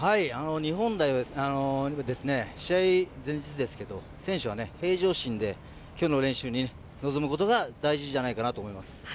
日本代表は試合前日ですが選手は平常心で今日の練習に臨むことが大事じゃないかなと思います。